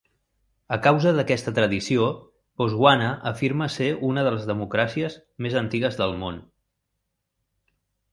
A causa d'aquesta tradició, Botswana afirma ser una de les democràcies més antigues del món.